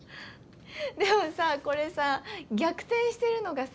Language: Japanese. でもさこれさ逆転してるのがさ